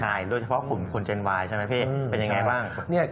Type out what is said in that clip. ใช่โดยเฉพาะคุณเจนวายใช่ไหมพี่เป็นอย่างไรบ้าง